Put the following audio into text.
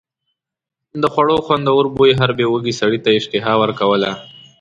د خوړو خوندور بوی هر بې وږي سړي ته اشتها ورکوله.